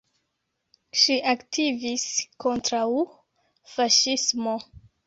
Ŝi aktivis kontraŭ faŝismo.